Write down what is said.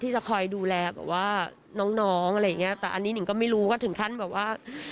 จะคอยดูแลแบบว่าน้องน้องอะไรอย่างเงี้ยแต่อันนี้หิ่งก็ไม่รู้ก็ถึงขั้นแบบว่า